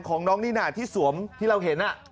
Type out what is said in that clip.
ของน้องนี่น่าที่สวมที่เราเห็น